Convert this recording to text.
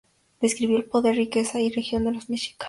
Describió el poder, riqueza y religión de los mexicas.